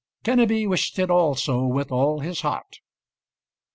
Kenneby wished it also, with all his heart.